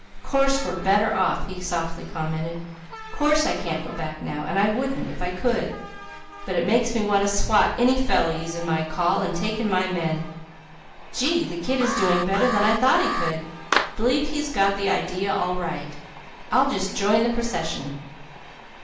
"Course we're better off," he commented. "Course I can't go back now, and I wouldn't if I could; but it makes me want to swat any fellow using my call, and taking my men. Gee, the kid is doing better than I thought he could! B'lieve he's got the idea all right. I'll just join the procession."